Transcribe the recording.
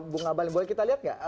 bunga balin boleh kita lihat gak